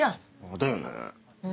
だよね。